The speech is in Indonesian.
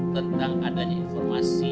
tentang adanya informasi